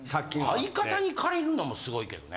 相方に借りるのもすごいけどね。